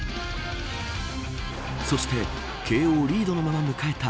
そして、慶応リードのまま迎えた